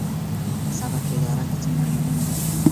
صبر په اداره کې څومره مهم دی؟